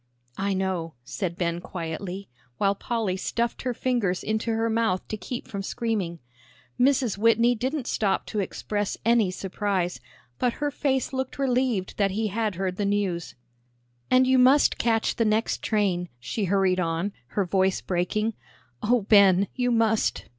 "I know," said Ben, quietly, while Polly stuffed her fingers into her mouth to keep from screaming. Mrs. Whitney didn't stop to express any surprise, but her face looked relieved that he had heard the news. "And you must catch the next train," she hurried on, her voice breaking; "oh, Ben, you must."